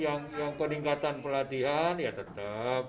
yang peningkatan pelatihan ya tetap